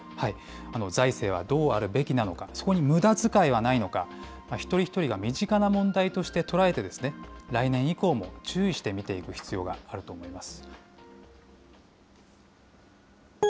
財政はどうあるべきなのか、そこにむだづかいはないのか、一人一人が身近な問題として捉えて、来年以降も注意して見ていく必要があると思います。